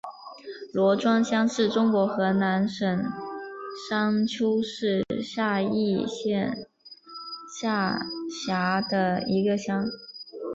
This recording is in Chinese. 罗庄乡是中国河南省商丘市夏邑县下辖的一个乡。